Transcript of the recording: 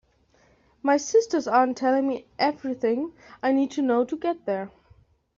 My sisters aren’t telling me everything I need to know to get there.